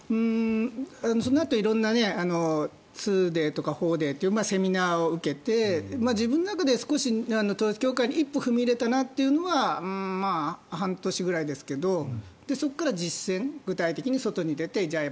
そのあと色んなツーデーとかフォーデーというセミナーを受けて自分の中で統一教会に一歩踏み入れたなというのは半年ぐらいですけどそこから実践、具体的に外に出てじゃあ